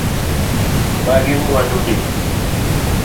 Magi mwandu ni.